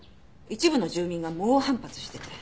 一部の住民が猛反発してて。